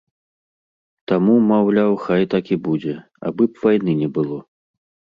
Таму, маўляў, хай так і будзе, абы б вайны не было.